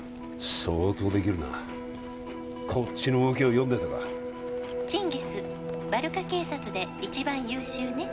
相当できるなこっちの動きを読んでたか「チンギスバルカ警察で一番優秀ね」